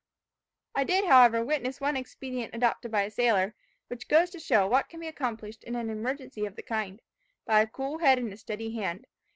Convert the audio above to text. "I did, however, witness one expedient adopted by a sailor, which goes to show what can be accomplished in an emergency of the kind, by a cool head and a steady hand.